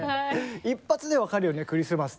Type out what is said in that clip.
１発で分かるよねクリスマスって。